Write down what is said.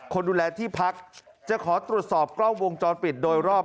คนดูแลที่พักจะขอตรวจสอบกล้องวงจรปิดโดยรอบ